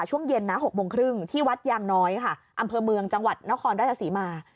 ช่วงเย็นนะ๖โมงครึ่งที่วัดยางน้อยค่ะอำเภอเมืองจังหวัดนครราชศรีมา